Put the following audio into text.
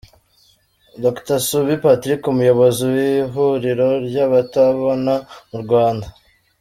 Dr Suubi Patrick umuyobozi w'ihuriro ry'abatabona mu Rwanda.